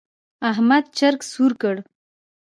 احمد چرګ سور کړ.